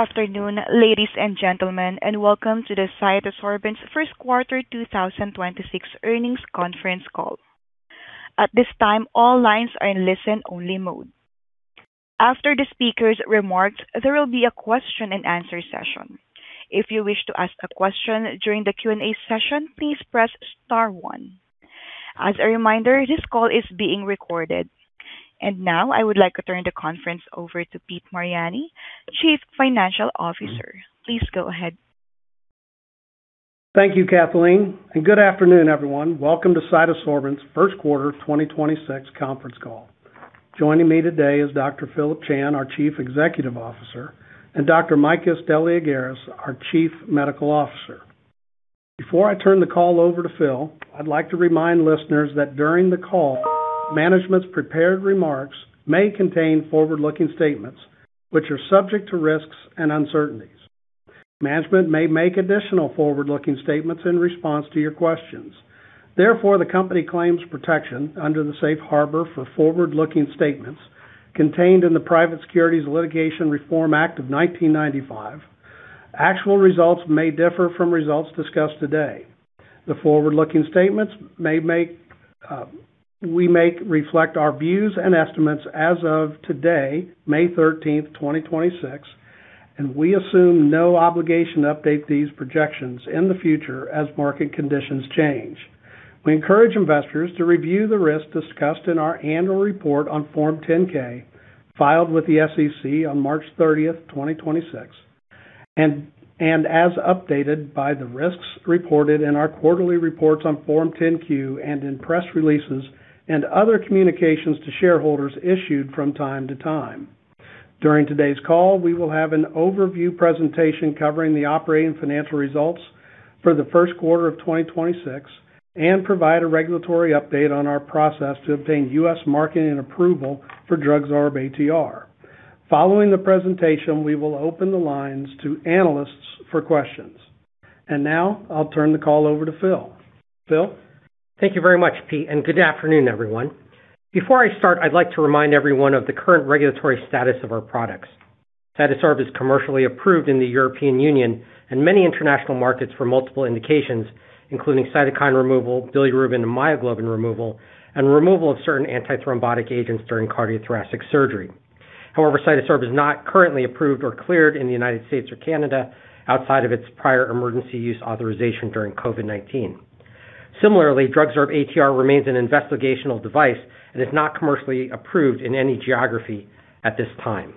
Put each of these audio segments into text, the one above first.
Afternoon, ladies and gentlemen, and welcome to the CytoSorbents' Q1 2026 earnings conference call. At this time, all lines are in listen-only mode. After the speaker's remarks, there will be a question-and-answer session. If you wish to ask a question during the Q&A session, please press star one. As a reminder, this call is being recorded. Now I would like to turn the conference over to Pete Mariani, Chief Financial Officer. Please go ahead. Thank you, Kathleen. Good afternoon, everyone. Welcome to CytoSorbents' Q1 2026 conference call. Joining me today is Dr. Phillip Chan, our Chief Executive Officer, and Dr. Makis Deliargyris, our Chief Medical Officer. Before I turn the call over to Phil, I'd like to remind listeners that during the call, management's prepared remarks may contain forward-looking statements which are subject to risks and uncertainties. Management may make additional forward-looking statements in response to your questions. The company claims protection under the safe harbor for forward-looking statements contained in the Private Securities Litigation Reform Act of 1995. Actual results may differ from results discussed today. The forward-looking statements we make reflect our views and estimates as of today, May 13th, 2026, and we assume no obligation to update these projections in the future as market conditions change. We encourage investors to review the risks discussed in our annual report on Form 10-K, filed with the SEC on March 30th, 2026, and as updated by the risks reported in our quarterly reports on Form 10-Q and in press releases and other communications to shareholders issued from time to time. During today's call, we will have an overview presentation covering the operating financial results for Q1 2026 and provide a regulatory update on our process to obtain U.S. marketing and approval for DrugSorb-ATR. Following the presentation, we will open the lines to analysts for questions. Now I'll turn the call over to Phil. Phil? Thank you very much, Peter. Good afternoon, everyone. Before I start, I'd like to remind everyone of the current regulatory status of our products. CytoSorb is commercially approved in the European Union and many international markets for multiple indications, including cytokine removal, bilirubin and myoglobin removal, and removal of certain antithrombotic agents during cardiothoracic surgery. CytoSorb is not currently approved or cleared in the U.S. or Canada outside of its prior emergency use authorization during COVID-19. Similarly, DrugSorb-ATR remains an investigational device and is not commercially approved in any geography at this time.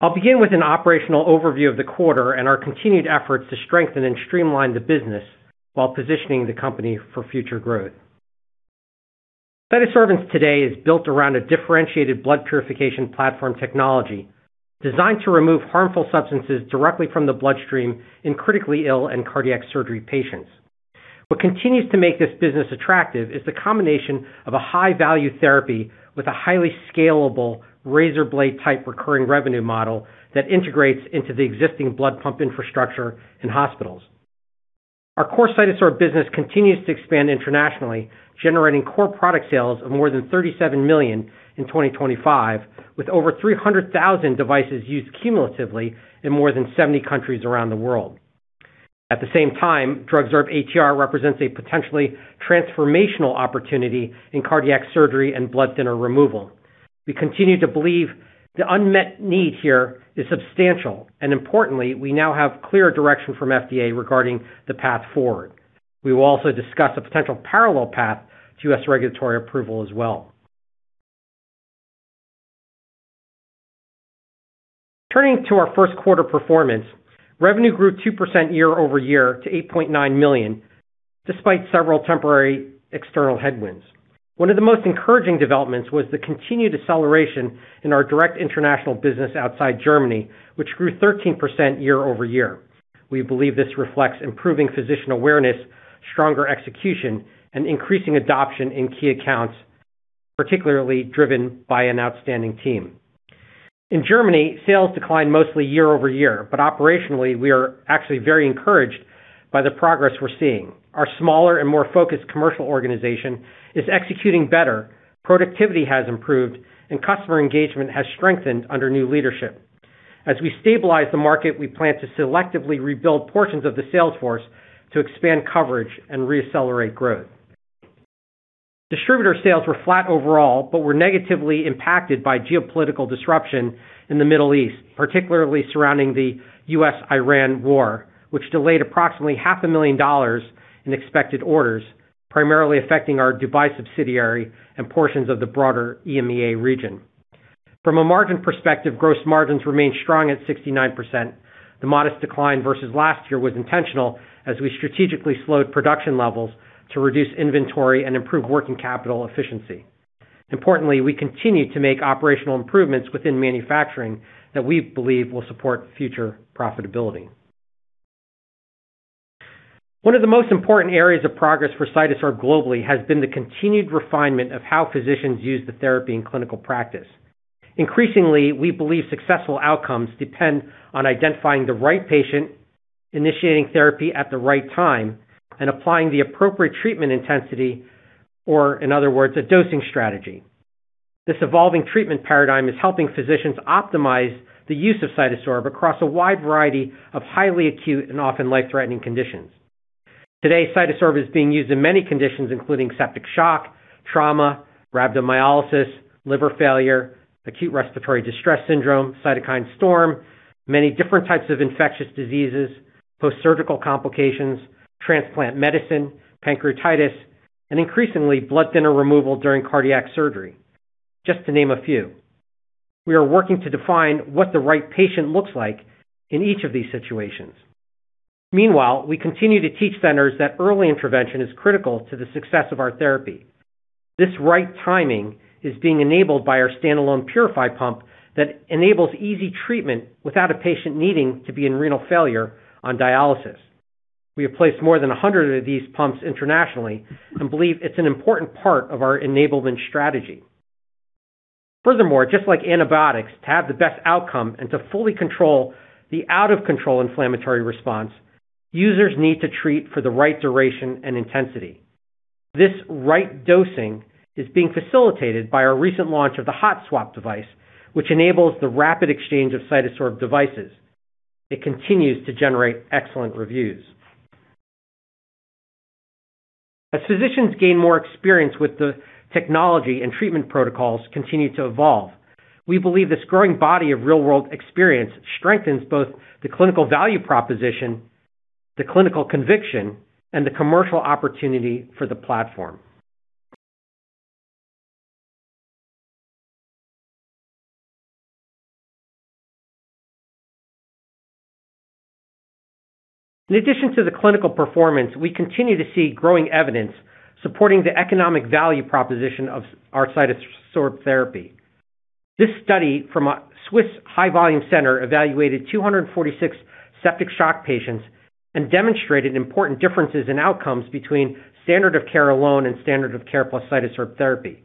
I'll begin with an operational overview of the quarter and our continued efforts to strengthen and streamline the business while positioning the company for future growth. CytoSorbents today is built around a differentiated blood purification platform technology designed to remove harmful substances directly from the bloodstream in critically ill and cardiac surgery patients. What continues to make this business attractive is the combination of a high-value therapy with a highly scalable razor blade-type recurring revenue model that integrates into the existing blood pump infrastructure in hospitals. Our core CytoSorb business continues to expand internationally, generating core product sales of more than $37 million in 2025, with over 300,000 devices used cumulatively in more than 70 countries around the world. At the same time, DrugSorb-ATR represents a potentially transformational opportunity in cardiac surgery and blood thinner removal. We continue to believe the unmet need here is substantial, and importantly, we now have clear direction from FDA regarding the path forward. We will also discuss a potential parallel path to U.S. regulatory approval as well. Turning to our Q1 performance, revenue grew 2% year-over-year to $8.9 million, despite several temporary external headwinds. One of the most encouraging developments was the continued deceleration in our direct international business outside Germany, which grew 13% year-over-year. We believe this reflects improving physician awareness, stronger execution, and increasing adoption in key accounts, particularly driven by an outstanding team. In Germany, sales declined mostly year-over-year. Operationally, we are actually very encouraged by the progress we're seeing. Our smaller and more focused commercial organization is executing better, productivity has improved, and customer engagement has strengthened under new leadership. As we stabilize the market, we plan to selectively rebuild portions of the sales force to expand coverage and re-accelerate growth. Distributor sales were flat overall but were negatively impacted by geopolitical disruption in the Middle East, particularly surrounding the US-Iran war, which delayed approximately half a million dollars in expected orders, primarily affecting our Dubai subsidiary and portions of the broader EMEA region. From a margin perspective, gross margins remained strong at 69%. The modest decline versus last year was intentional as we strategically slowed production levels to reduce inventory and improve working capital efficiency. Importantly, we continue to make operational improvements within manufacturing that we believe will support future profitability. One of the most important areas of progress for CytoSorb globally has been the continued refinement of how physicians use the therapy in clinical practice. Increasingly, we believe successful outcomes depend on identifying the right patient initiating therapy at the right time and applying the appropriate treatment intensity or, in other words, a dosing strategy. This evolving treatment paradigm is helping physicians optimize the use of CytoSorb across a wide variety of highly acute and often life-threatening conditions. Today, CytoSorb is being used in many conditions, including septic shock, trauma, rhabdomyolysis, liver failure, acute respiratory distress syndrome, cytokine storm, many different types of infectious diseases, postsurgical complications, transplant medicine, pancreatitis, and increasingly blood thinner removal during cardiac surgery, just to name a few. We are working to define what the right patient looks like in each of these situations. Meanwhile, we continue to teach centers that early intervention is critical to the success of our therapy. This right timing is being enabled by our standalone PuriFi pump that enables easy treatment without a patient needing to be in renal failure on dialysis. We have placed more than 100 of these pumps internationally and believe it's an important part of our enablement strategy. Just like antibiotics, to have the best outcome and to fully control the out-of-control inflammatory response, users need to treat for the right duration and intensity. This right dosing is being facilitated by our recent launch of the HotSwap device, which enables the rapid exchange of CytoSorb devices. It continues to generate excellent reviews. Physicians gain more experience with the technology and treatment protocols continue to evolve, we believe this growing body of real-world experience strengthens both the clinical value proposition, the clinical conviction, and the commercial opportunity for the platform. In addition to the clinical performance, we continue to see growing evidence supporting the economic value proposition of our CytoSorb therapy. This study from a Swiss high-volume center evaluated 246 septic shock patients and demonstrated important differences in outcomes between standard of care alone and standard of care plus CytoSorb therapy.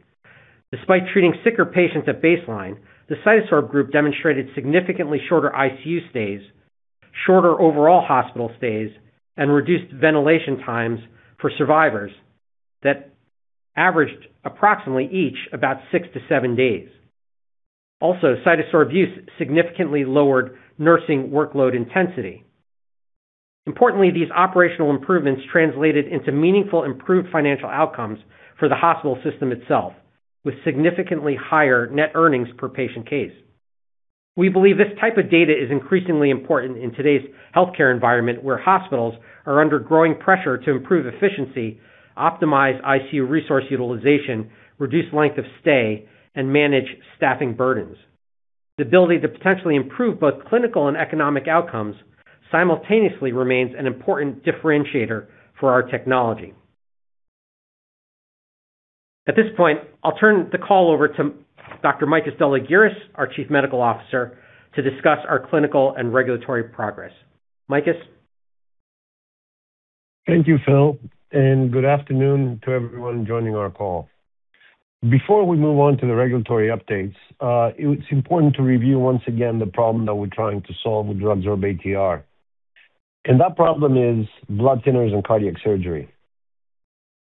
Despite treating sicker patients at baseline, the CytoSorb group demonstrated significantly shorter ICU stays, shorter overall hospital stays, and reduced ventilation times for survivors that averaged approximately each about six to seven days. Also, CytoSorb use significantly lowered nursing workload intensity. Importantly, these operational improvements translated into meaningful improved financial outcomes for the hospital system itself, with significantly higher net earnings per patient case. We believe this type of data is increasingly important in today's healthcare environment, where hospitals are under growing pressure to improve efficiency, optimize ICU resource utilization, reduce length of stay, and manage staffing burdens. The ability to potentially improve both clinical and economic outcomes simultaneously remains an important differentiator for our technology. At this point, I'll turn the call over to Dr. Makis Deliargyris, our Chief Medical Officer, to discuss our clinical and regulatory progress. Makis? Thank you, Phil, and good afternoon to everyone joining our call. Before we move on to the regulatory updates, it's important to review once again the problem that we're trying to solve with DrugSorb-ATR, and that problem is blood thinners and cardiac surgery.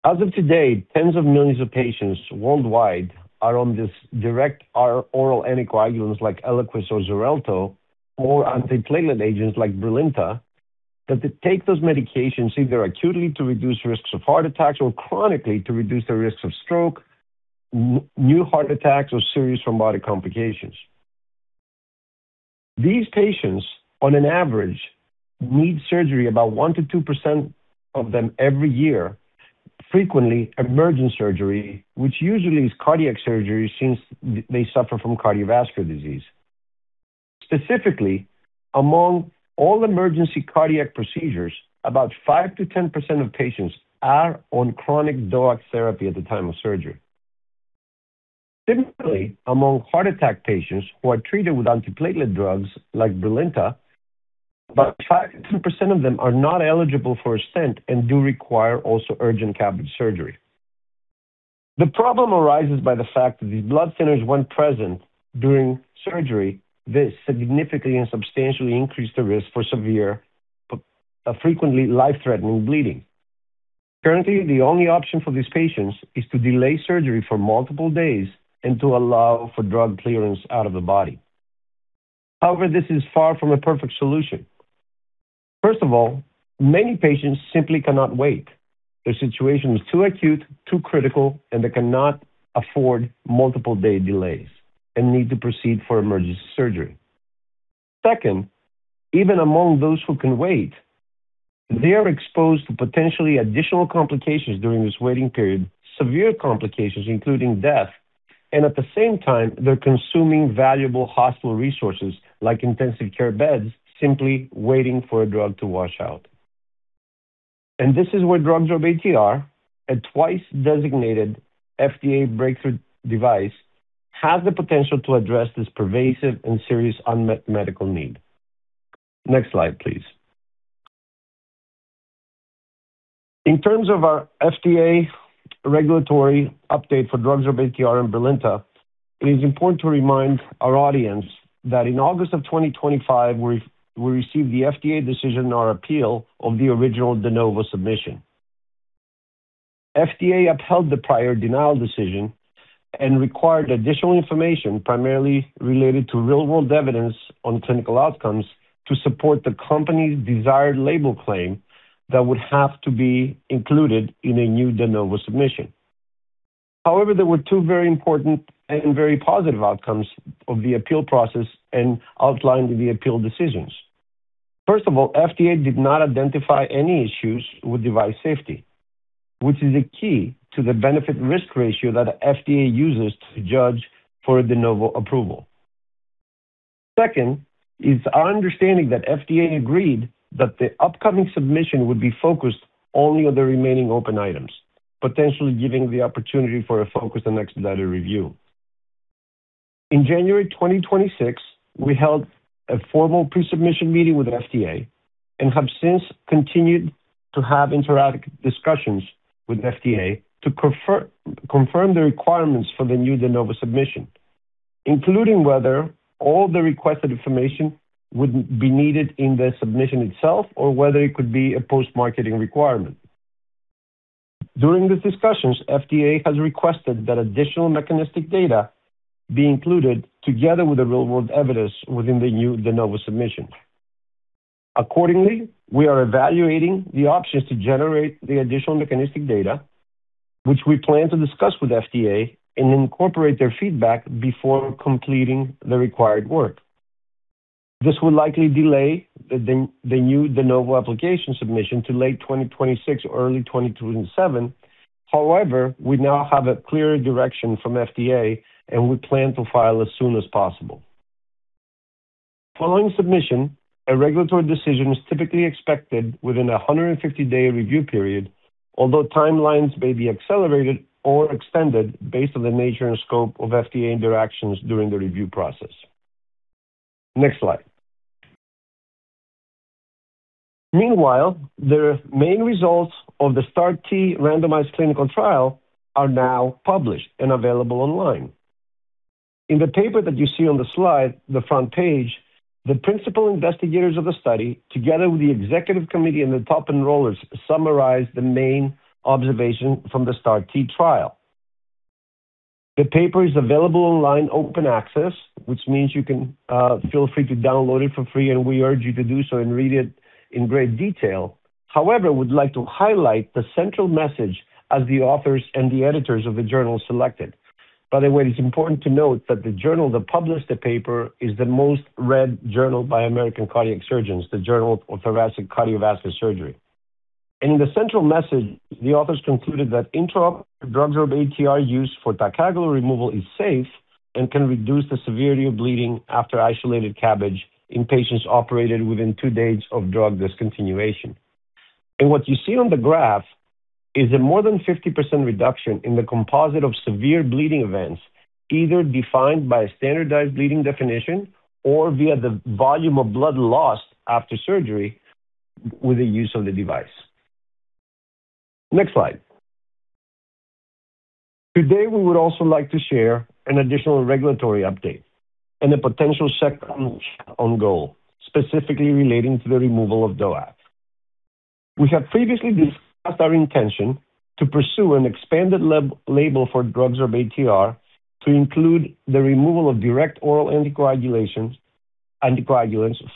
As of today, tens of millions of patients worldwide are on this direct oral anticoagulants like ELIQUIS or XARELTO or antiplatelet agents like BRILINTA that they take those medications either acutely to reduce risks of heart attacks or chronically to reduce the risks of stroke, new heart attacks, or serious thrombotic complications. These patients, on an average, need surgery about 1%-2% of them every year, frequently emergent surgery, which usually is cardiac surgery since they suffer from cardiovascular disease. Specifically, among all emergency cardiac procedures, about 5%-10% of patients are on chronic DOAC therapy at the time of surgery. Similarly, among heart attack patients who are treated with antiplatelet drugs like BRILINTA, about 5%-10% of them are not eligible for a stent and do require also urgent CABG surgery. The problem arises by the fact that these blood thinners, when present during surgery, this significantly and substantially increase the risk for severe, frequently life-threatening bleeding. Currently, the only option for these patients is to delay surgery for multiple days and to allow for drug clearance out of the body. This is far from a perfect solution. First of all, many patients simply cannot wait. Their situation is too acute, too critical, and they cannot afford multiple day delays and need to proceed for emergency surgery. Second, even among those who can wait, they are exposed to potentially additional complications during this waiting period, severe complications including death, and at the same time, they're consuming valuable hospital resources like intensive care beds simply waiting for a drug to wash out. This is where DrugSorb-ATR, a twice designated FDA Breakthrough Device, has the potential to address this pervasive and serious unmet medical need. Next slide, please. In terms of our FDA regulatory update for drug-eluting balloon in BRILINTA, it is important to remind our audience that in August of 2025, we received the FDA decision on our appeal of the original de novo submission. FDA upheld the prior denial decision and required additional information primarily related to real-world evidence on clinical outcomes to support the company's desired label claim that would have to be included in a new de novo submission. However, there were two very important and very positive outcomes of the appeal process and outlined the appeal decisions. First of all, FDA did not identify any issues with device safety, which is a key to the benefit-risk ratio that FDA uses to judge for a De Novo approval. Second, it's our understanding that FDA agreed that the upcoming submission would be focused only on the remaining open items, potentially giving the opportunity for a focused and expedited review. In January 2026, we held a formal pre-submission meeting with FDA and have since continued to have interactive discussions with FDA to confirm the requirements for the new De Novo submission, including whether all the requested information would be needed in the submission itself or whether it could be a post-marketing requirement. During these discussions, FDA has requested that additional mechanistic data be included together with the real-world evidence within the new De Novo submission. Accordingly, we are evaluating the options to generate the additional mechanistic data, which we plan to discuss with FDA and incorporate their feedback before completing the required work. This will likely delay the new De Novo application submission to late 2026 or early 2027. We now have a clear direction from FDA, and we plan to file as soon as possible. Following submission, a regulatory decision is typically expected within a 150-day review period, although timelines may be accelerated or extended based on the nature and scope of FDA interactions during the review process. Next slide. Meanwhile, the main results of the STAR-T randomized clinical trial are now published and available online. In the paper that you see on the slide, the front page, the principal investigators of the study, together with the executive committee and the top enrollers, summarize the main observation from the STAR-T trial. The paper is available online open access, which means you can feel free to download it for free, and we urge you to do so and read it in great detail. However, we'd like to highlight the central message as the authors and the editors of the journal selected. By the way, it's important to note that the journal that published the paper is the most-read journal by American cardiac surgeons, The Journal of Thoracic and Cardiovascular Surgery. In the central message, the authors concluded that intraoperative drug-eluting balloon use for ticagrelor removal is safe and can reduce the severity of bleeding after isolated CABG in patients operated within two days of drug discontinuation. What you see on the graph is a more than 50% reduction in the composite of severe bleeding events, either defined by a standardized bleeding definition or via the volume of blood lost after surgery with the use of the device. Next slide. Today, we would also like to share an additional regulatory update and a potential second shot on goal, specifically relating to the removal of DOAC. We have previously discussed our intention to pursue an expanded label for DrugSorb-ATR to include the removal of direct oral anticoagulants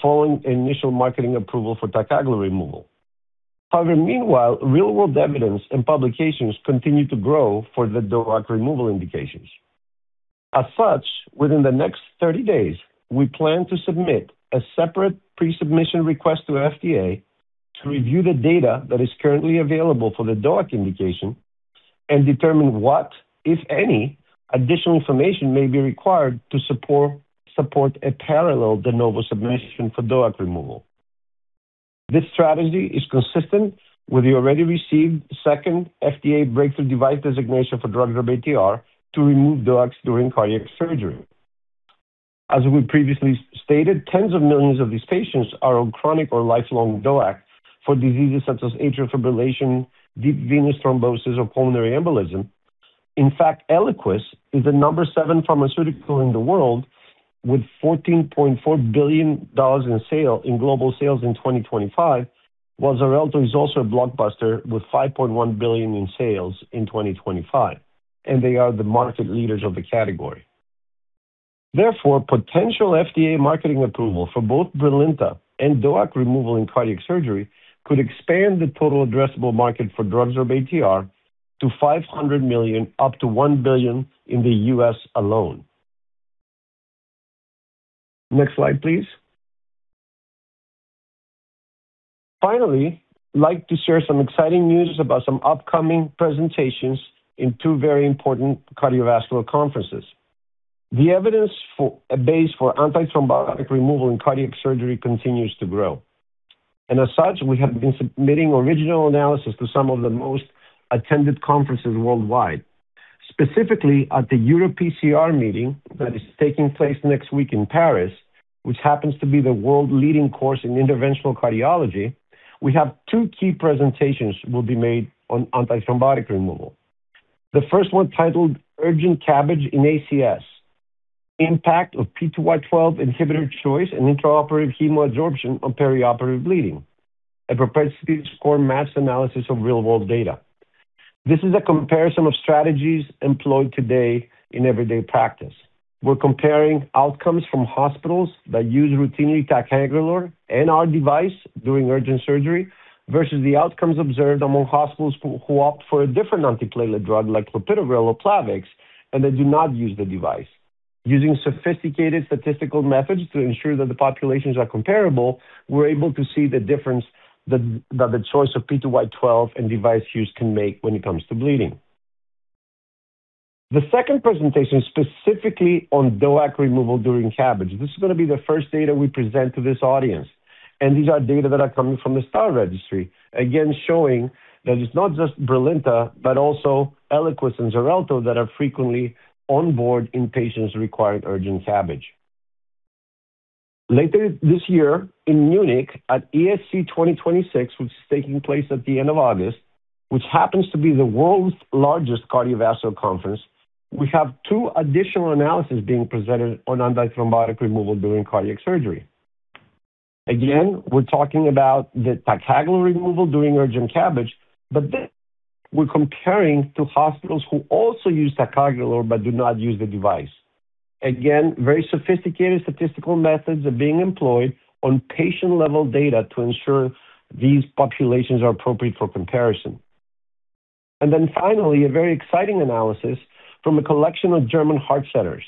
following initial marketing approval for ticagrelor removal. Meanwhile, real-world evidence and publications continue to grow for the DOAC removal indications. As such, within the next 30 days, we plan to submit a separate pre-submission request to FDA to review the data that is currently available for the DOAC indication and determine what, if any, additional information may be required to support a parallel De Novo submission for DOAC removal. This strategy is consistent with the already received second FDA Breakthrough Device designation for drug-eluting balloon to remove DOACs during cardiac surgery. As we previously stated, tens of millions of these patients are on chronic or lifelong DOACs for diseases such as atrial fibrillation, deep venous thrombosis, or pulmonary embolism. In fact, ELIQUIS is the number seven pharmaceutical in the world with $14.4 billion in global sales in 2025, while XARELTO is also a blockbuster with $5.1 billion in sales in 2025. They are the market leaders of the category. Potential FDA marketing approval for both BRILINTA and DOAC removal in cardiac surgery could expand the total addressable market for drug-eluting balloon to $500 million, up to $1 billion in the U.S. alone. Next slide, please. I'd like to share some exciting news about some upcoming presentations in two very important cardiovascular conferences. The evidence for base for antithrombotic removal in cardiac surgery continues to grow. As such, we have been submitting original analysis to some of the most attended conferences worldwide. Specifically at the EuroPCR meeting that is taking place next week in Paris, which happens to be the world-leading course in interventional cardiology, we have two key presentations will be made on antithrombotic removal. The first one titled Urgent CABG in ACS: Impact of P2Y12 Inhibitor Choice and Intraoperative Hemoadsorption on Perioperative Bleeding, a propensity score matched analysis of real-world data. This is a comparison of strategies employed today in everyday practice. We're comparing outcomes from hospitals that use routinely ticagrelor and our device during urgent surgery versus the outcomes observed among hospitals who opt for a different antiplatelet drug like clopidogrel or Plavix, and they do not use the device. Using sophisticated statistical methods to ensure that the populations are comparable, we're able to see the difference that the choice of P2Y12 and device use can make when it comes to bleeding. The second presentation is specifically on DOAC removal during CABG. This is gonna be the first data we present to this audience, and these are data that are coming from the STAR registry. Again, showing that it's not just BRILINTA, but also ELIQUIS and XARELTO that are frequently on board in patients requiring urgent CABG. Later this year in Munich at ESC 2026, which is taking place at the end of August, which happens to be the world's largest cardiovascular conference, we have two additional analysis being presented on antithrombotic removal during cardiac surgery. We're talking about the ticagrelor removal during urgent CABG, but this we're comparing to hospitals who also use ticagrelor but do not use the device. Very sophisticated statistical methods are being employed on patient-level data to ensure these populations are appropriate for comparison. A very exciting analysis from a collection of German heart centers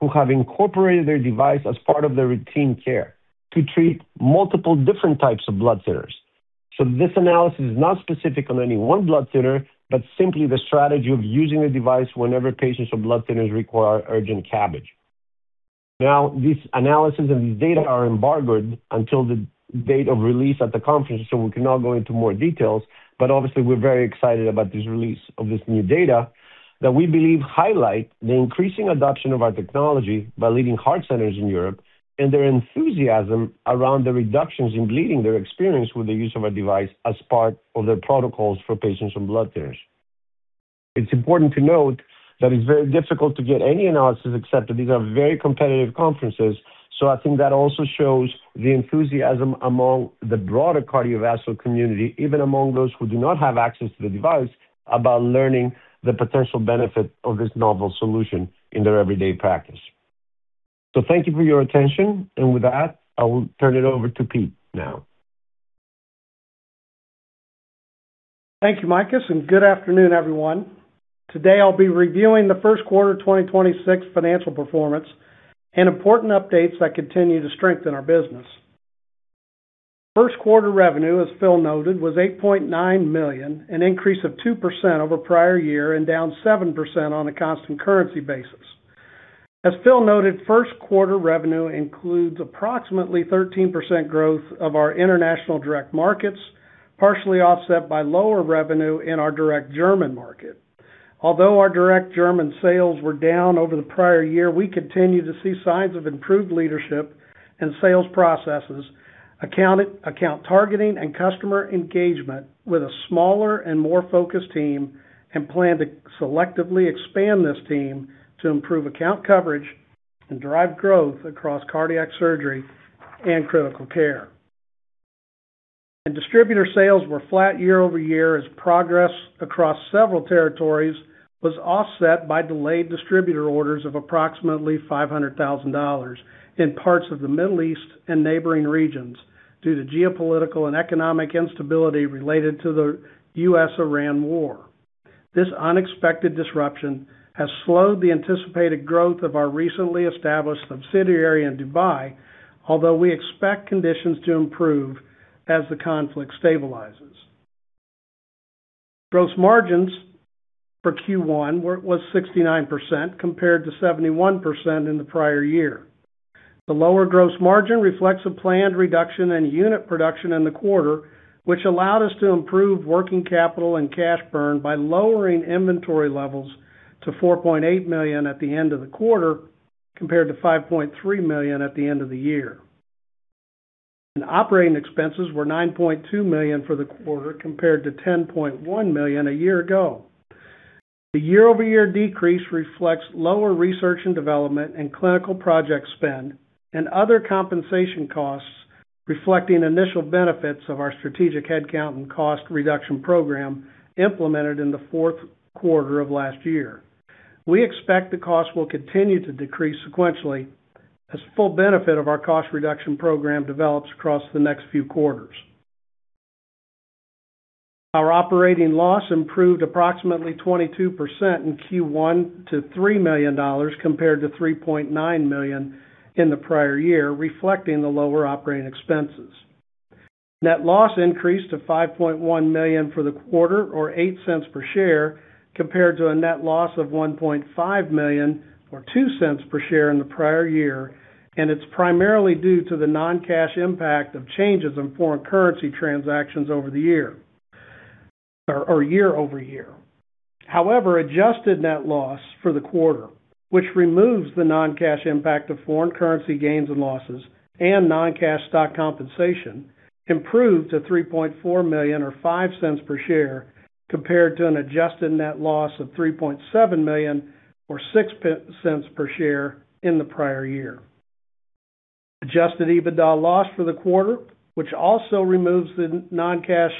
who have incorporated their device as part of their routine care to treat multiple different types of blood thinners. This analysis is not specific on any 1 blood thinner, but simply the strategy of using the device whenever patients on blood thinners require urgent CABG. These analysis and these data are embargoed until the date of release at the conference, we cannot go into more details. Obviously, we're very excited about this release of this new data that we believe highlight the increasing adoption of our technology by leading heart centers in Europe and their enthusiasm around the reductions in bleeding they're experienced with the use of our device as part of their protocols for patients on blood thinners. It's important to note that it's very difficult to get any analysis accepted. These are very competitive conferences, I think that also shows the enthusiasm among the broader cardiovascular community, even among those who do not have access to the device, about learning the potential benefit of this novel solution in their everyday practice. Thank you for your attention. With that, I will turn it over to Pete now. Thank you, Makis. Good afternoon, everyone. Today, I'll be reviewing the Q1 2026 financial performance and important updates that continue to strengthen our business. Q1 revenue, as Phillip Chan noted, was $8.9 million, an increase of 2% over prior year and down 7% on a constant currency basis. As Phillip Chan noted, Q1 revenue includes approximately 13% growth of our international direct markets, partially offset by lower revenue in our direct German market. Although our direct German sales were down over the prior year, we continue to see signs of improved leadership and sales processes, account targeting and customer engagement with a smaller and more focused team and plan to selectively expand this team to improve account coverage and drive growth across cardiac surgery and critical care. Distributor sales were flat year-over-year as progress across several territories was offset by delayed distributor orders of approximately $500,000 in parts of the Middle East and neighboring regions due to geopolitical and economic instability related to the US-Iran war. This unexpected disruption has slowed the anticipated growth of our recently established subsidiary in Dubai, although we expect conditions to improve as the conflict stabilizes. Gross margins for Q1 was 69%, compared to 71% in the prior year. The lower gross margin reflects a planned reduction in unit production in the quarter, which allowed us to improve working capital and cash burn by lowering inventory levels to $4.8 million at the end of the quarter, compared to $5.3 million at the end of the year. Operating expenses were $9.2 million for the quarter, compared to $10.1 million a year ago. The year-over-year decrease reflects lower research and development and clinical project spend and other compensation costs reflecting initial benefits of our strategic headcount and cost reduction program implemented in the fourth quarter of last year. We expect the cost will continue to decrease sequentially as the full benefit of our cost reduction program develops across the next few quarters. Our operating loss improved approximately 22% in Q1 to $3 million compared to $3.9 million in the prior year, reflecting the lower operating expenses. Net loss increased to $5.1 million for the quarter or $0.08 per share, compared to a net loss of $1.5 million or $0.02 per share in the prior year. It's primarily due to the non-cash impact of changes in foreign currency transactions year-over-year. However, adjusted net loss for the quarter, which removes the non-cash impact of foreign currency gains and losses and non-cash stock compensation, improved to $3.4 million, or $0.05 per share, compared to an adjusted net loss of $3.7 million, or $0.06 per share in the prior year. Adjusted EBITDA loss for the quarter, which also removes the non-cash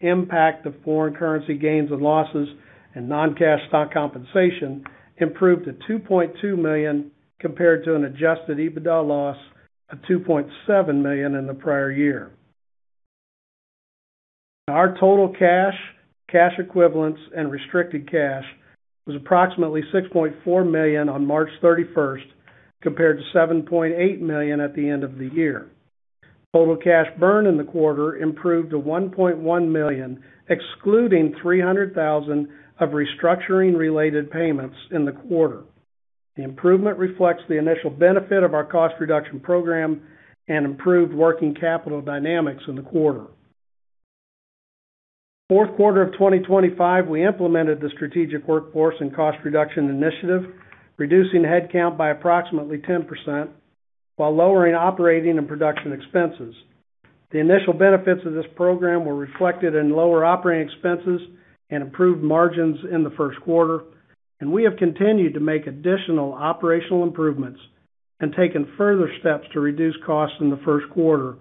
impact of foreign currency gains and losses and non-cash stock compensation, improved to $2.2 million compared to an adjusted EBITDA loss of $2.7 million in the prior year. Our total cash equivalents and restricted cash was approximately $6.4 million on March 31st, compared to $7.8 million at the end of the year. Total cash burn in the quarter improved to $1.1 million, excluding $300,000 of restructuring-related payments in the quarter. The improvement reflects the initial benefit of our cost reduction program and improved working capital dynamics in the quarter. Fourth quarter of 2025, we implemented the strategic workforce and cost reduction initiative, reducing headcount by approximately 10% while lowering operating and production expenses. The initial benefits of this program were reflected in lower operating expenses and improved margins in the Q1. We have continued to make additional operational improvements and taken further steps to reduce costs in the Q1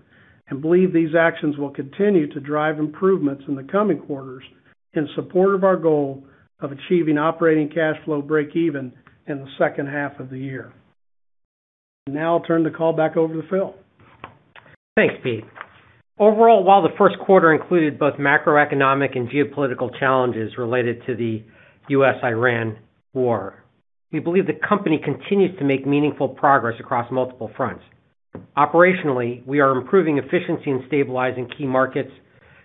and believe these actions will continue to drive improvements in the coming quarters in support of our goal of achieving operating cash flow breakeven in the second half of the year. Now I'll turn the call back over to Phil. Thanks, Peter. Overall, while the Q1 included both macroeconomic and geopolitical challenges related to the U.S.-Iran war, we believe the company continues to make meaningful progress across multiple fronts. Operationally, we are improving efficiency and stabilizing key markets.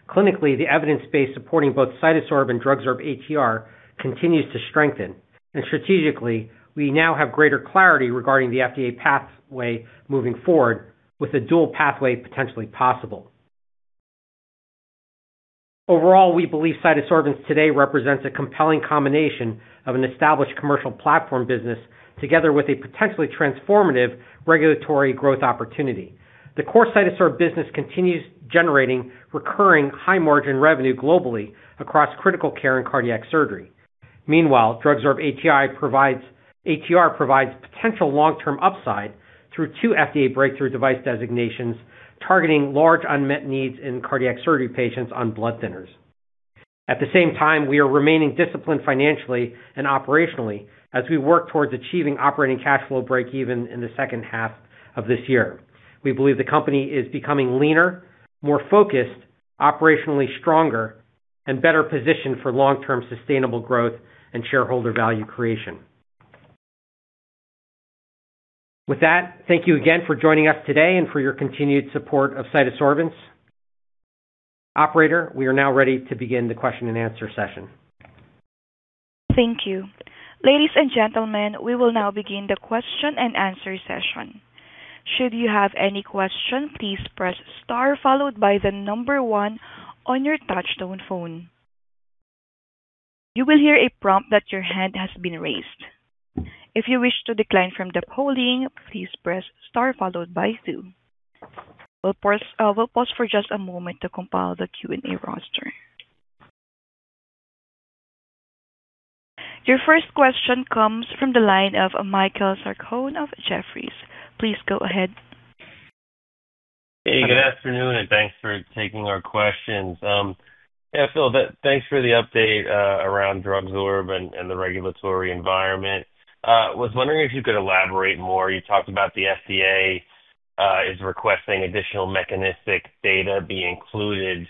Clinically, the evidence base supporting both CytoSorb and DrugSorb-ATR continues to strengthen. Strategically, we now have greater clarity regarding the FDA pathway moving forward with a dual pathway potentially possible. Overall, we believe CytoSorbents today represents a compelling combination of an established commercial platform business together with a potentially transformative regulatory growth opportunity. The core CytoSorb business continues generating recurring high-margin revenue globally across critical care and cardiac surgery. Meanwhile, DrugSorb-ATR provides potential long-term upside through two FDA Breakthrough Device designations targeting large unmet needs in cardiac surgery patients on blood thinners. At the same time, we are remaining disciplined financially and operationally as we work towards achieving operating cash flow breakeven in the second half of this year. We believe the company is becoming leaner, more focused, operationally stronger, and better positioned for long-term sustainable growth and shareholder value creation. With that, thank you again for joining us today and for your continued support of CytoSorbents. Operator, we are now ready to begin the question and answer session. Thank you. Ladies and gentlemen, we will now begin the question and answer session. Should you have any question, please press star followed by one on your touch-tone phone. You will hear a prompt that your hand has been raised. If you wish to decline from the polling, please press star followed by two. We'll pause for just a moment to compile the Q&A roster. Your first question comes from the line of Michael Sarcone of Jefferies. Please go ahead. Hey, good afternoon, and thanks for taking our questions. Yeah, Phillip, thanks for the update around DrugSorb and the regulatory environment. I was wondering if you could elaborate more. You talked about the FDA is requesting additional mechanistic data be included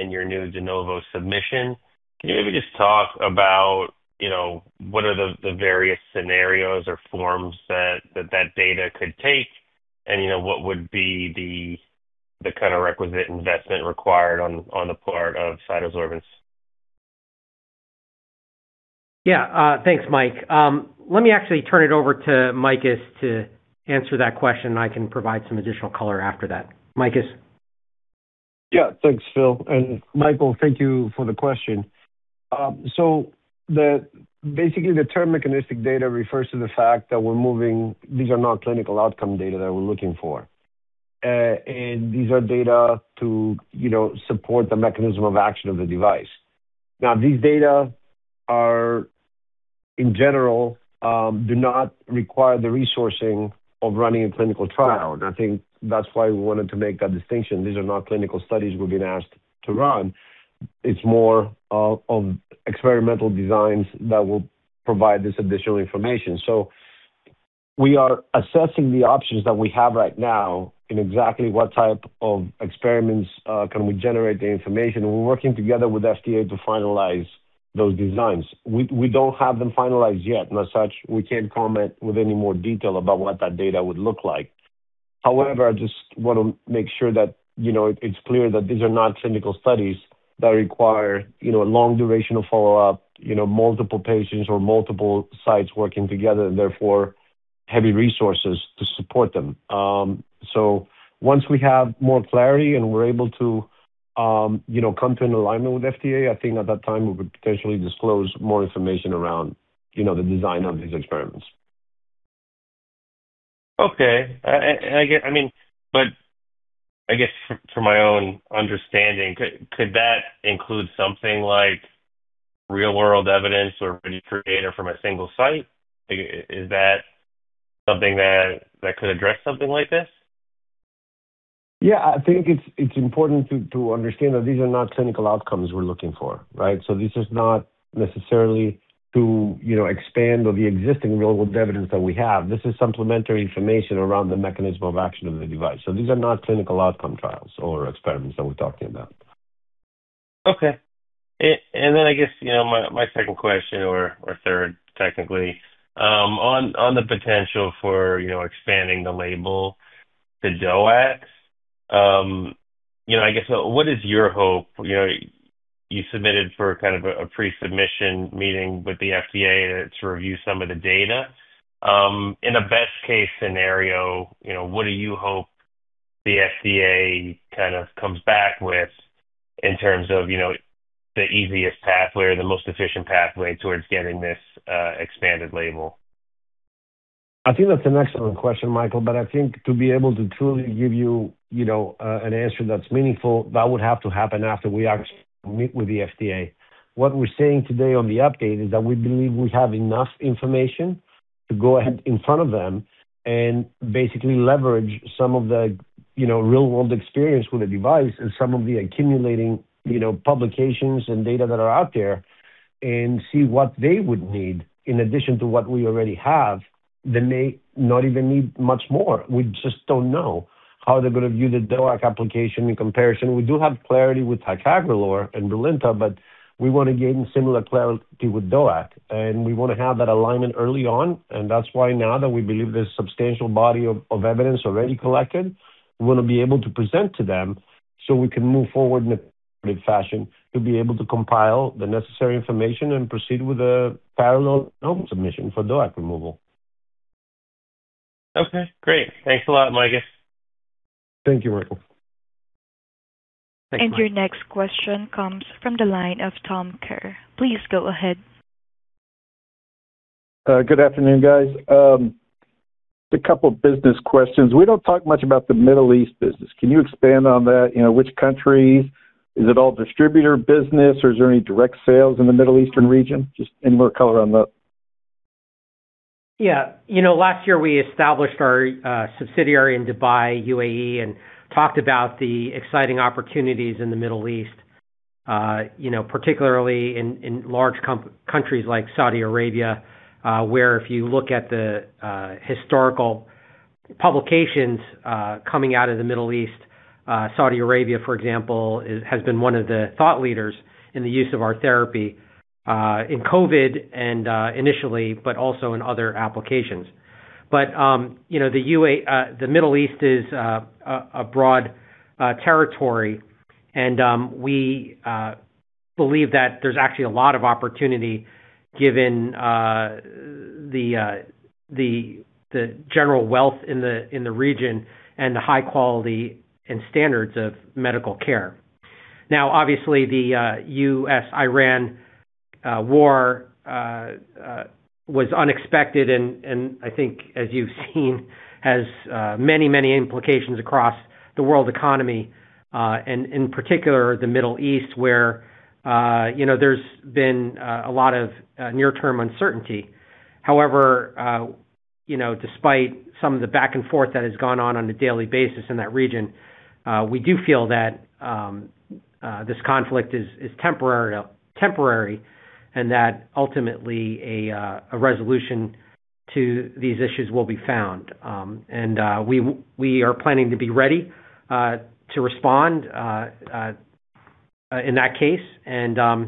in your new De Novo submission. Can you maybe just talk about, you know, what are the various scenarios or forms that data could take and, you know, what would be the kinda requisite investment required on the part of CytoSorbents? Thanks, Mike. Let me actually turn it over to Makis to answer that question, and I can provide some additional color after that. Makis. Thanks, Phil. Michael, thank you for the question. Basically, the term mechanistic data refers to the fact that these are not clinical outcome data that we're looking for. These are data to, you know, support the mechanism of action of the device. Now, these data are, in general, do not require the resourcing of running a clinical trial. I think that's why we wanted to make that distinction. These are not clinical studies we're being asked to run. It's more of experimental designs that will provide this additional information. We are assessing the options that we have right now in exactly what type of experiments can we generate the information. We're working together with FDA to finalize those designs. We don't have them finalized yet as such. We can't comment with any more detail about what that data would look like. However, I just wanna make sure that, you know, it's clear that these are not clinical studies that require, you know, a long duration of follow-up, you know, multiple patients or multiple sites working together. heavy resources to support them. Once we have more clarity and we're able to, come to an alignment with FDA, I think at that time we would potentially disclose more information around the design of these experiments. Okay. Again, I mean, I guess for my own understanding, could that include something like real world evidence or registry data from a single site? Like, is that something that could address something like this? Yeah. I think it's important to understand that these are not clinical outcomes we're looking for, right? This is not necessarily to, you know, expand on the existing Real-World Evidence that we have. This is supplementary information around the mechanism of action of the device. These are not clinical outcome trials or experiments that we're talking about. Okay. I guess, you know, my second question or third technically, on the potential for, you know, expanding the label to DOAC, you know, I guess what is your hope? You submitted for kind of a pre-submission meeting with the FDA to review some of the data. In a best case scenario, you know, what do you hope the FDA kind of comes back with in terms of, you know, the easiest pathway or the most efficient pathway towards getting this expanded label? I think that's an excellent question, Michael. I think to be able to truly give you know, an answer that's meaningful, that would have to happen after we actually meet with the FDA. What we're saying today on the update is that we believe we have enough information to go ahead in front of them and basically leverage some of the, you know, real world experience with the device and some of the accumulating, you know, publications and data that are out there and see what they would need in addition to what we already have. They may not even need much more. We just don't know how they're gonna view the DOAC application in comparison. We do have clarity with ticagrelor and BRILINTA, but we wanna gain similar clarity with DOAC, and we wanna have that alignment early on. That's why now that we believe there's substantial body of evidence already collected, we wanna be able to present to them so we can move forward in a timely fashion to be able to compile the necessary information and proceed with a parallel submission for DOAC removal. Okay, great. Thanks a lot, Makis. Thank you, Michael. Thanks, Michael. Your next question comes from the line of Thomas Kerr. Please go ahead. Good afternoon, guys. Just a couple of business questions. We don't talk much about the Middle East business. Can you expand on that? You know, which countries? Is it all distributor business, or is there any direct sales in the Middle Eastern region? Just any more color on that. Yeah. You know, last year we established our subsidiary in Dubai, U.A.E., and talked about the exciting opportunities in the Middle East, you know, particularly in large countries like Saudi Arabia, where if you look at the historical publications coming out of the Middle East, Saudi Arabia, for example, has been one of the thought leaders in the use of our therapy in COVID and initially, but also in other applications. You know, the Middle East is a broad territory, and we believe that there's actually a lot of opportunity given the general wealth in the region and the high quality and standards of medical care. The US-Iran war was unexpected and I think as you've seen, has many implications across the world economy and in particular the Middle East where, you know, there's been a lot of near term uncertainty. You know, despite some of the back and forth that has gone on on a daily basis in that region, we do feel that this conflict is temporary and that ultimately a resolution to these issues will be found. We are planning to be ready to respond in that case. I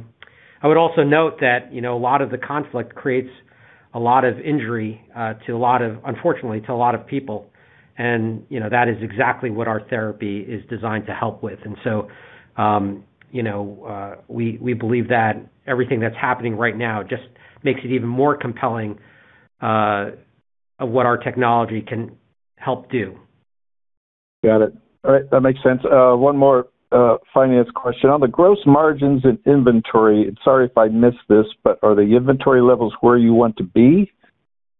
would also note that, you know, a lot of the conflict creates a lot of injury to a lot of unfortunately, to a lot of people. You know, that is exactly what our therapy is designed to help with. You know, we believe that everything that's happening right now just makes it even more compelling of what our technology can help do. Got it. All right. That makes sense. One more finance question. On the gross margins and inventory, sorry if I missed this, but are the inventory levels where you want to be,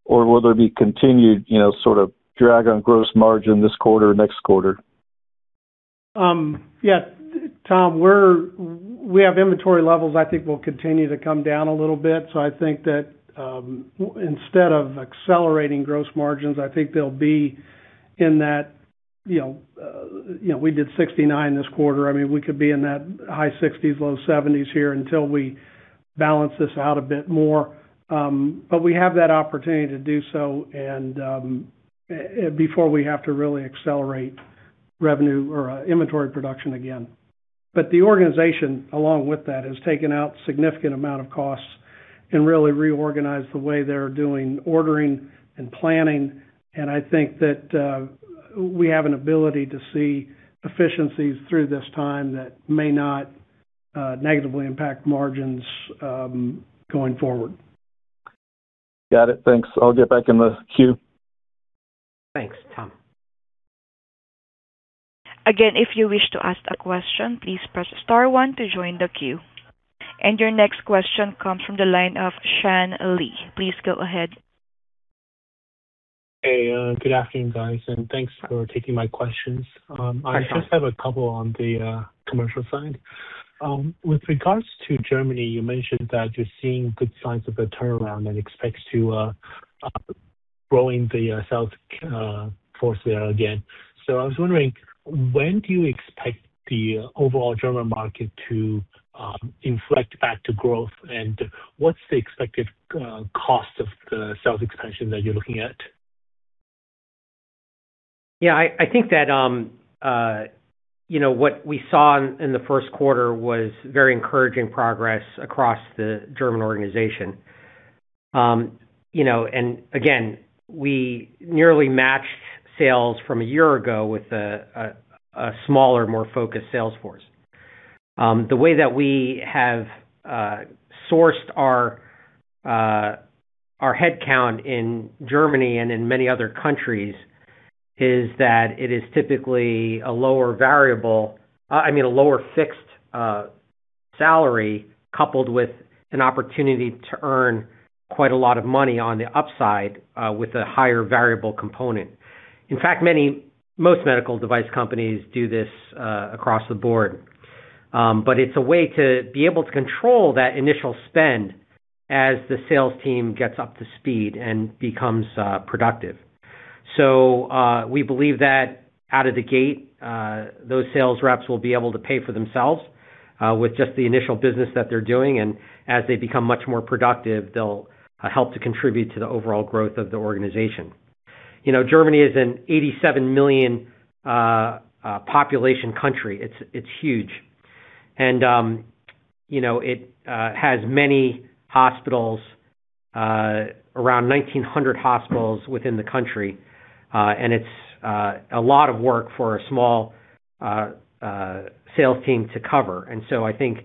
or will there be continued, you know, sort of drag on gross margin this quarter or next quarter? Tom, we have inventory levels I think will continue to come down a little bit. I think that, instead of accelerating gross margins, I think they'll be in that, you know, you know, we did 69 this quarter. I mean, we could be in that high 60s, low 70s here until we balance this out a bit more. We have that opportunity to do so and, before we have to really accelerate revenue or, inventory production again. The organization, along with that, has taken out significant amount of costs and really reorganized the way they're doing ordering and planning. I think that, we have an ability to see efficiencies through this time that may not negatively impact margins, going forward. Got it. Thanks. I'll get back in the queue. Thanks, Tom. Again, if you wish to ask a question, please press star one to join the queue. Your next question comes from the line of Sean Lee. Please go ahead. Good afternoon, guys, thanks for taking my questions. I just have a couple on the commercial side. With regards to Germany, you mentioned that you're seeing good signs of a turnaround and expects to growing the sales force there again. I was wondering, when do you expect the overall German market to inflect back to growth? What's the expected cost of the sales expansion that you're looking at? I think that, you know, what we saw in the Q1 was very encouraging progress across the German organization. You know, again, we nearly matched sales from a year ago with a smaller, more focused sales force. The way that we have sourced our headcount in Germany and in many other countries is that it is typically a lower fixed salary coupled with an opportunity to earn quite a lot of money on the upside with a higher variable component. In fact, most medical device companies do this across the board. It's a way to be able to control that initial spend as the sales team gets up to speed and becomes productive. We believe that out of the gate, those sales reps will be able to pay for themselves with just the initial business that they're doing, and as they become much more productive, they'll help to contribute to the overall growth of the organization. You know, Germany is an 87 million population country. It's huge. You know, it has many hospitals, around 1,900 hospitals within the country. And it's a lot of work for a small sales team to cover. I think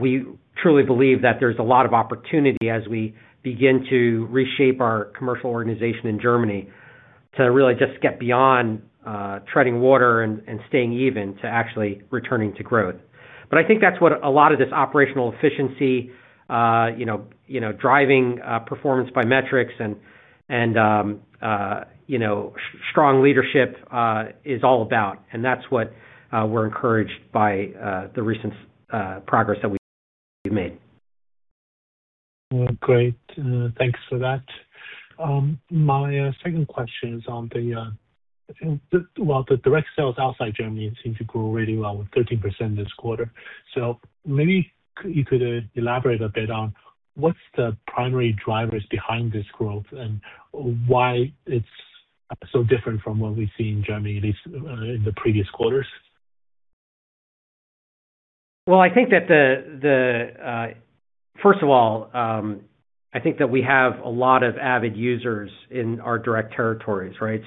we truly believe that there's a lot of opportunity as we begin to reshape our commercial organization in Germany to really just get beyond treading water and staying even to actually returning to growth. I think that's what a lot of this operational efficiency, you know, driving, performance by metrics and, you know, strong leadership, is all about. That's what, we're encouraged by, the recent, progress that we've made. Well, great. Thanks for that. My second question is on the direct sales outside Germany seems to grow really well with 13% this quarter. Maybe you could elaborate a bit on what's the primary drivers behind this growth and why it's so different from what we see in Germany, at least, in the previous quarters. Well, I think that the First of all, I think that we have a lot of avid users in our direct territories, right?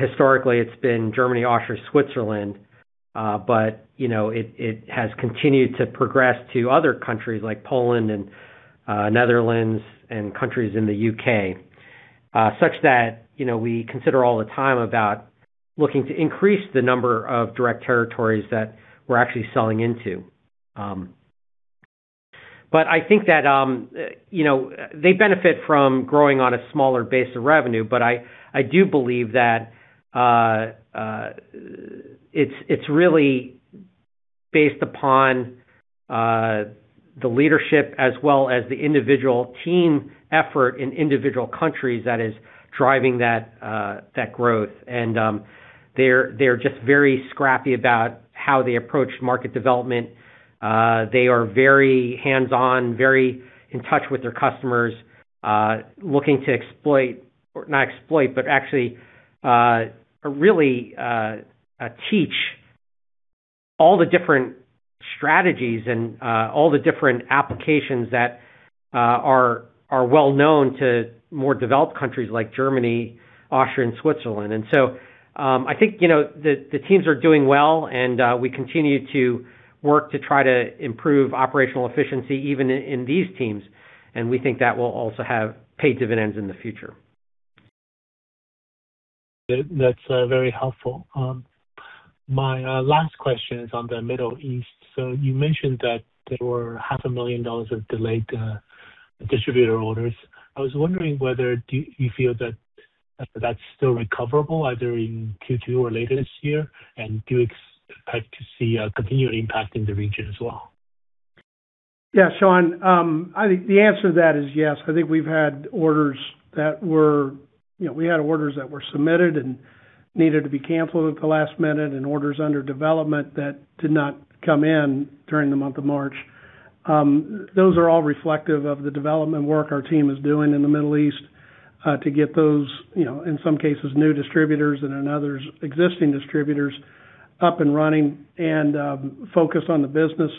Historically, it's been Germany, Austria, Switzerland, but you know, it has continued to progress to other countries like Poland and Netherlands and countries in the U.K. Such that, you know, we consider all the time about looking to increase the number of direct territories that we're actually selling into. But I think that, you know, they benefit from growing on a smaller base of revenue, but I do believe that, it's really based upon the leadership as well as the individual team effort in individual countries that is driving that growth. They're just very scrappy about how they approach market development. They are very hands-on, very in touch with their customers, looking to exploit, or not exploit, but actually, really teach all the different strategies and all the different applications that are well known to more developed countries like Germany, Austria, and Switzerland. I think, you know, the teams are doing well and we continue to work to try to improve operational efficiency even in these teams, and we think that will also have paid dividends in the future. That's very helpful. My last question is on the Middle East. You mentioned that there were half a million dollars of delayed distributor orders. I was wondering whether do you feel that that's still recoverable either in Q2 or later this year? Do you expect to see a continued impact in the region as well? Yeah, Sean. I think the answer to that is yes. I think we've had orders that were you know, we had orders that were submitted and needed to be canceled at the last minute and orders under development that did not come in during the month of March. Those are all reflective of the development work our team is doing in the Middle East, to get those, you know, in some cases, new distributors and in others, existing distributors up and running and focused on the business.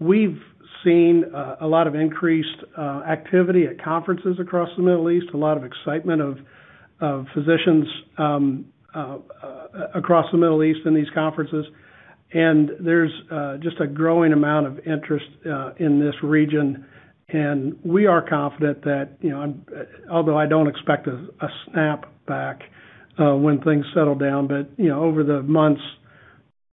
We've seen a lot of increased activity at conferences across the Middle East, a lot of excitement of physicians across the Middle East in these conferences. There's just a growing amount of interest in this region. We are confident that, you know, although I don't expect a snapback, when things settle down, but, you know, over the months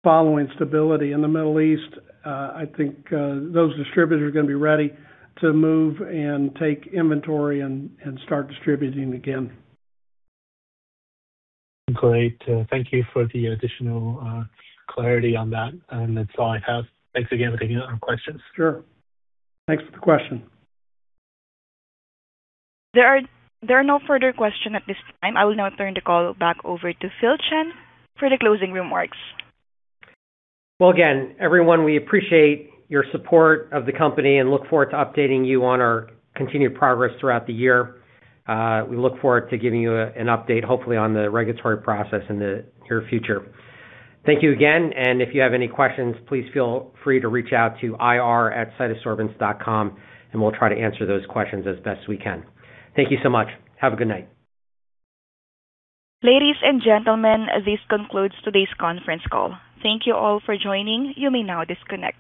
following stability in the Middle East, I think those distributors are gonna be ready to move and take inventory and start distributing again. Great. Thank you for the additional clarity on that. That's all I have. Thanks again for taking our questions. Sure. Thanks for the question. There are no further question at this time. I will now turn the call back over to Phillip Chan for the closing remarks. Well, again, everyone, we appreciate your support of the company and look forward to updating you on our continued progress throughout the year. We look forward to giving you an update, hopefully on the regulatory process in the near future. Thank you again, and if you have any questions, please feel free to reach out to ir@cytosorbents.com, and we'll try to answer those questions as best we can. Thank you so much. Have a good night. Ladies and gentlemen, this concludes today's conference call. Thank you all for joining. You may now disconnect.